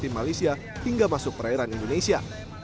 kapal patroli maritim malaysia hingga masuk perairan indonesia